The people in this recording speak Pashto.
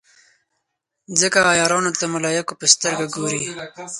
ځکه عیارانو ته د ملایکو په سترګه ګوري.